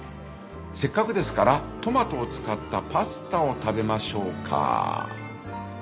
せっかくですからトマトを使ったパスタを食べましょうか。